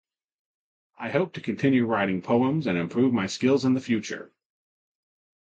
I hope to continue writing poems and improving my skills in the future.